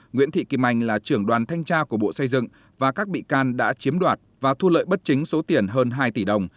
nguyễn thị kim anh là trưởng đoàn thanh tra của bộ xây dựng và các bị can đã chiếm đoạt và thu lợi bất chính số tiền hơn hai tỷ đồng